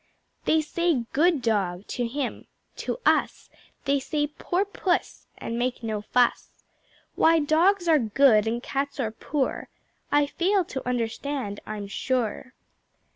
They say "Good Dog" to him. To us They say "Poor Puss," and make no fuss. Why Dogs are "good" and Cats are "poor" I fail to understand, I'm sure.